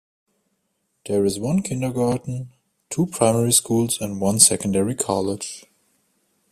There is one kindergarten, two primary schools and one secondary college.